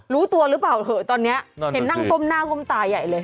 รู้ตัวหรือเปล่าเหอะตอนนี้เห็นนั่งก้มหน้าก้มตาใหญ่เลย